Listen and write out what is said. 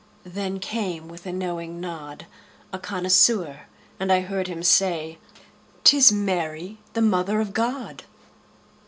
Then came, with a knowing nod, A connoisseur, and I heard him say; "'Tis Mary, the Mother of God."